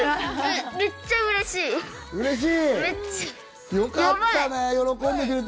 めっちゃ嬉しい！